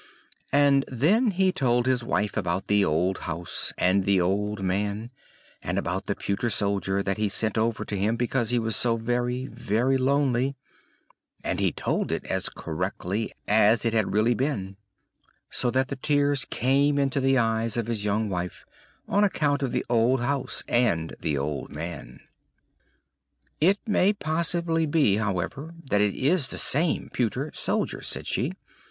And then he told his wife about the old house, and the old man, and about the pewter soldier that he sent over to him because he was so very, very lonely; and he told it as correctly as it had really been, so that the tears came into the eyes of his young wife, on account of the old house and the old man. "It may possibly be, however, that it is the same pewter soldier!" said she.